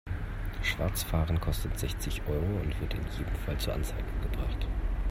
Schwarzfahren kostet sechzig Euro und wird in jedem Fall zur Anzeige gebracht.